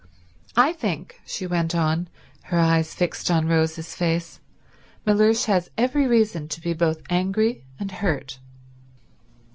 I think," she went on, her eyes fixed on Rose's face, "Mellersh has every reason to be both angry and hurt."